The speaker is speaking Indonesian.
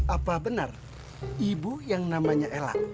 apa benar ibu yang namanya ella